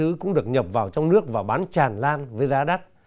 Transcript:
các loại hoa cũng được nhập vào trong nước và bán tràn lan với giá đắt